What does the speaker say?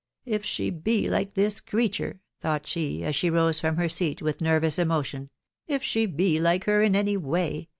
<c If she belike thiB creature," thought? sha>: aa she rose from her seat with nervous emotion, "if she. be like hnr in any way